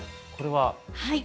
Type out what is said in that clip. はい。